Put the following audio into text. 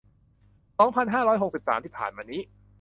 สองพันห้าร้อยหกสิบสาม ที่ผ่านมานี้